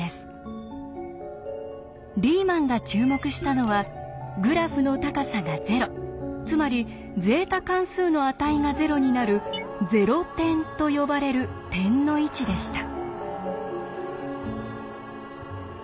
リーマンが注目したのはグラフの高さがゼロつまりゼータ関数の値がゼロになる「ゼロ点」と呼ばれる点の位置でした。